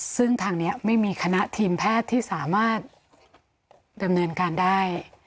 ซึ่งทางนี้ไม่มีคณะทีมแพทย์ที่สามารถดำเนินการได้